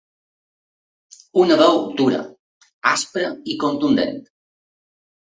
Una veu dura, aspra i contundent.